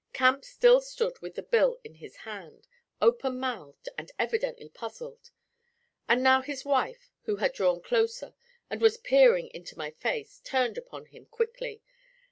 Camp still stood with the bill in his hand, open mouthed and evidently puzzled; and now his wife, who had drawn closer and was peering into my face, turned upon him quickly.